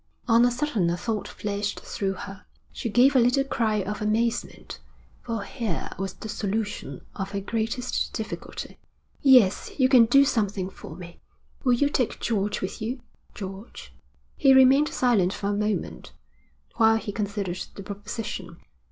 On a sudden a thought flashed through her. She gave a little cry of amazement, for here was the solution of her greatest difficulty. 'Yes, you can do something for me. Will you take George with you?' 'George?' He remained silent for a moment, while he considered the proposition.